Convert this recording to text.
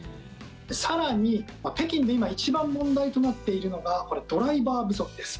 更に、北京で今、一番問題となっているのがドライバー不足です。